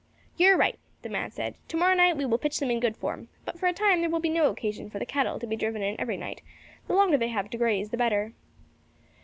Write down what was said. "You are right," the man said, "to morrow night we will pitch them in good form; but for a time there will be no occasion for the cattle to be driven in every night, the longer they have to graze the better."